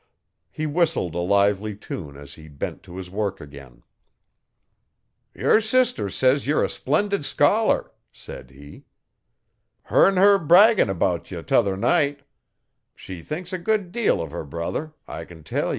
He whistled a lively tune as he bent to his work again. 'Yer sister says ye're a splendid scholar!' said he. 'Hear'n 'er braggin' 'bout ye t'other night; she thinks a good deal o' her brother, I can tell ye.